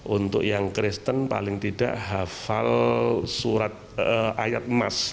untuk yang kristen paling tidak hafal surat ayat emas